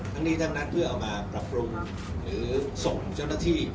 ทั้งนี้ทั้งนั้นเพื่อเอามาปรับปรุงหรือส่งเจ้าหน้าที่